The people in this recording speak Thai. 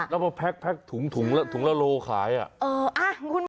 แล้วก็แพ็คถุงละโลขายอ่ะ